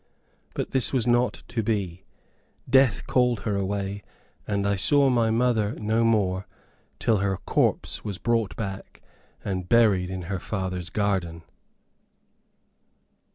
But this was not to be. Death called her away, and I saw my mother no more till her corpse was brought back, and buried in her father's garden.